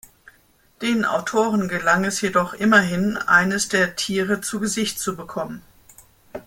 Den Autoren gelang es jedoch immerhin, eines der Tiere zu Gesicht zu bekommen.